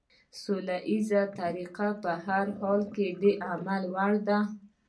سوله ييزه طريقه په هر حال کې د عمل وړ ده.